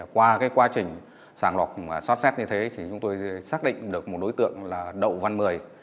qua quá trình sàng lọc và sát xét như thế chúng tôi xác định được một đối tượng là đậu văn mười